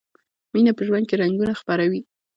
مینه په ژوند کې رنګونه خپروي.